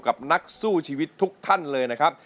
กับนักสู้ชีวิตทุกท่านเลยนะครับ